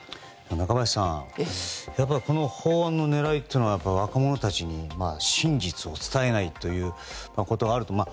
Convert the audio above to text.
中林さんこの法案の狙いというのは若者たちに真実を伝えないということがあると。